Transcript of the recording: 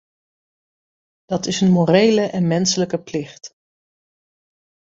Dat is een morele en menselijke plicht.